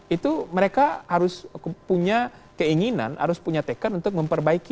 itu mereka harus punya keinginan harus punya tekad untuk memperbaiki